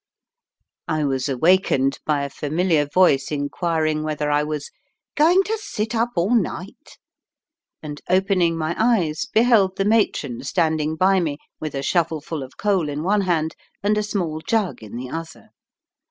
I was awakened by a familiar voice inquiring whether I was "going to sit up all night," and opening my eyes beheld the matron standing by me with a shovelful of coal in one hand and a small jug in the other.